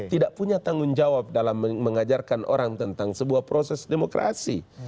tidak punya tanggung jawab dalam mengajarkan orang tentang sebuah proses demokrasi